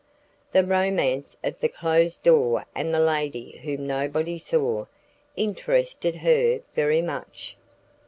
The romance of the closed door and the lady whom nobody saw, interested her very much.